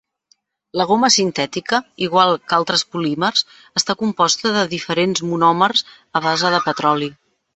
La goma sintètica, igual que altres polímers, està composta de diferents monòmers a base de petroli.